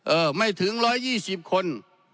เอ้อไม่ถึง๑๒๐คน